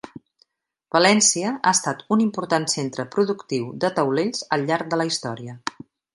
València ha estat un important centre productiu de taulells al llarg de la història.